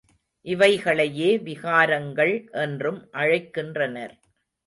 இவைகளையே விகாரங்கள் என்றும் அழைக்கின்றனர்.